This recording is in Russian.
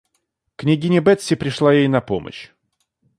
Княгиня Бетси пришла ей на помощь.